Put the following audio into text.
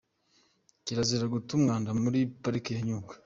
Kirazira guta umwanda muri Pariki ya Nyungwe